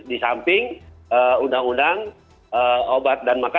di samping hmm undang undang hmm obat dan makanan